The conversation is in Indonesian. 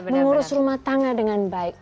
mengurus rumah tangga dengan baik